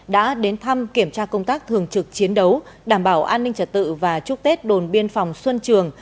đã đến thăm kiểm tra công tác thường trực chiến đấu đảm bảo an ninh trật tự và chúc tết đồn biên phòng xuân trường